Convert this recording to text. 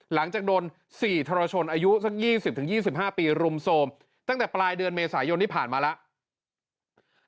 หลังจากโดน๔ทรชนอายุสัก๒๐๒๕ปีรุมโทรมตั้งแต่ปลายเดือนเมษายนที่ผ่านมาแล้ว